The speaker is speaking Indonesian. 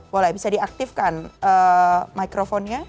boleh bisa diaktifkan mikrofonnya